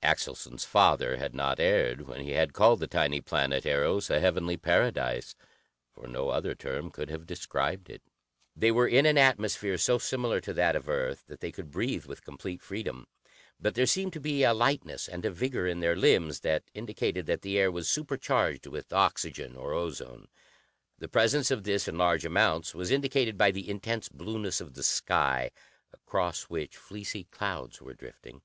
Axelson's father had not erred when he had called the tiny planet, Eros, a heavenly paradise, for no other term could have described it. They were in an atmosphere so similar to that of Earth that they could breathe with complete freedom, but there seemed to be a lightness and a vigor in their limbs that indicated that the air was supercharged with oxygen or ozone. The presence of this in large amounts was indicated by the intense blueness of the sky, across which fleecy clouds were drifting.